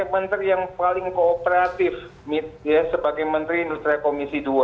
menteri yang paling kooperatif sebagai menteri nusra komisi dua